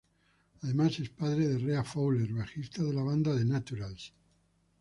Además es padre de Rhea Fowler, bajista de la banda The Naturals.